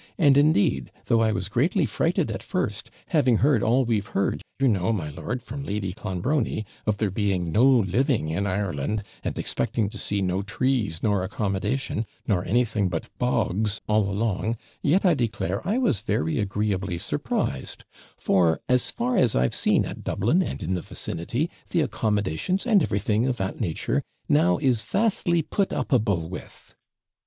And, indeed, though I was greatly frighted at first, having heard all we've heard, you know, my lord, from Lady Clonbrony, of there being no living in Ireland, and expecting to see no trees nor accommodation, nor anything but bogs all along; yet I declare, I was very agreeably surprised; for, as far as I've seen at Dublin and in the vicinity, the accommodations, and everything of that nature, now is vastly put up able with!'